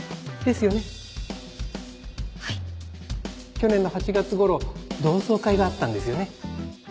去年の８月ごろ同窓会があったんですよね？